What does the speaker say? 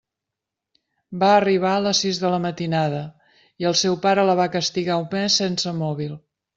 Va arribar a les sis de la matinada i el seu pare la va castigar un mes sense mòbil.